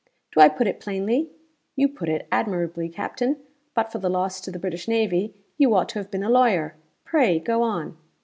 Do I put it plainly?' 'You put it admirably, Captain; but for the loss to the British navy, you ought to have been a lawyer. Pray, go on.